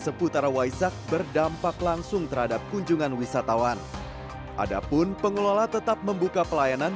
seputar waisak berdampak langsung terhadap kunjungan wisatawan adapun pengelola tetap membuka pelayanan